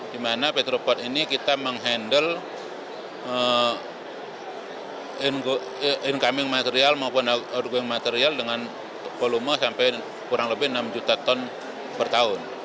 di mana petropot ini kita menghandle incoming material maupun material dengan volume sampai kurang lebih enam juta ton per tahun